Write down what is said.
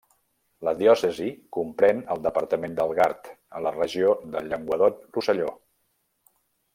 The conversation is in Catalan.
La diòcesi comprèn el departament del Gard, a la regió del Llenguadoc-Rosselló.